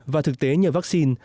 và thực tế nhờ vaccine